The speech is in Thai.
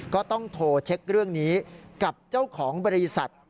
ก็ต้องโทรเช็คเรื่องนี้กับเจ้าของบริษัท